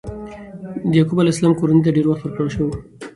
د یعقوب علیه السلام کورنۍ ته ډېر وخت ورکړل شو.